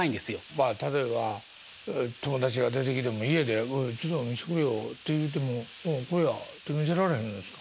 例えば友達が出てきても家で「おいちょっと見せてくれよ」って言うても「うんこれや」って見せられへんのですか。